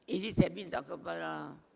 ini saya minta kepada